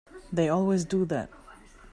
They always do that.